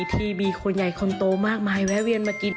ที่มีคนใหญ่คนโตมากมายแวะเวียนมากิน